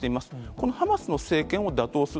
このハマスの政権を打倒する。